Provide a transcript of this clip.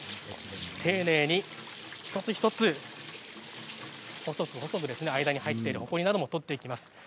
丁寧に一つ一つ細く細く、間に入っているほこりなどを取っていきます。